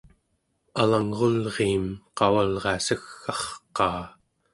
alangrulriim qavalria segg'arqaa